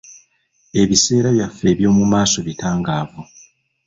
Ebiseera byaffe eby'omu maaso bitangaavu.